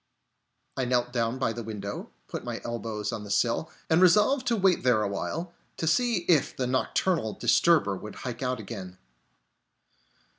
I knelt down by the window, put my elbows on the sill, and resolved to wait there awhile, to see if the nocturnal disturber would hike out again.